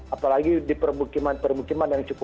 apalagi di permukiman permukiman yang cukup